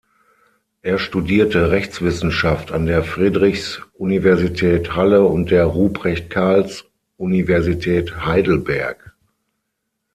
Er studierte Rechtswissenschaft an der Friedrichs-Universität Halle und der Ruprecht-Karls-Universität Heidelberg.